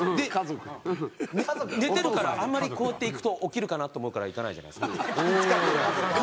寝てるからあんまりこうやって行くと起きるかなと思うから行かないじゃないですか。